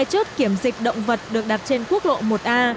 hai chốt kiểm dịch động vật được đặt trên quốc lộ một a